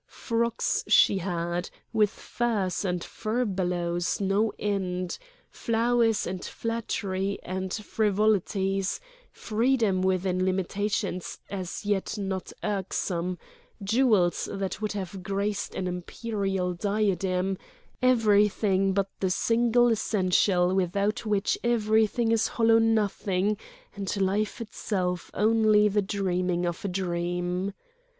Frocks she had, with furs and furbelows no end; flowers and flattery and frivolities; freedom within limitations as yet not irksome; jewels that would have graced an imperial diadem—everything but the single essential without which everything is hollow nothing and life itself only the dreaming of a dream.